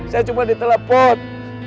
saya cuma ditelepon